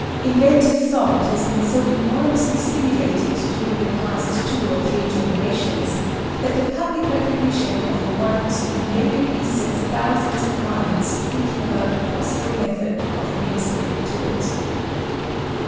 Inventive thought has been so enormously stimulated during the past two or three generations, that the public recognition of a want invariably sets thousands of minds thinking about the possible methods of ministering to it.